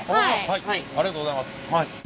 ありがとうございます。